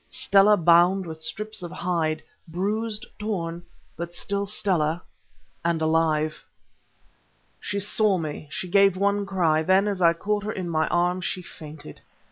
Stella bound with strips of hide, bruised, torn, but still Stella, and alive. She saw me, she gave one cry, then, as I caught her in my arms, she fainted.